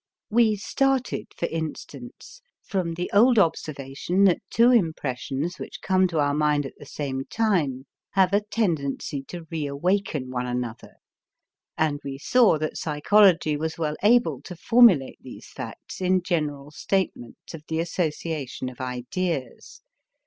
We started, for instance, from the old observation that two impressions which come to our mind at the same time have a tendency to reawaken one another; and we saw that psychology was well able to formulate these facts in general statements of the association of ideas.